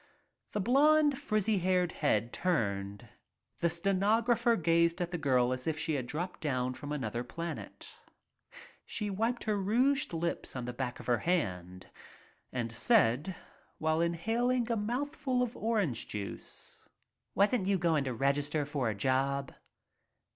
The blonde frizzy haired head turned and the stenographer gazed at the girl as if she had dropped down from another planet. She wiped her rouged lips on the back of her hand and said while inhalling a mouthful of orange juice: "Wasn't you going to register for a job?"